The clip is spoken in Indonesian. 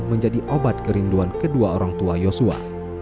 menjadi obat kerinduan kedua orang tua yosua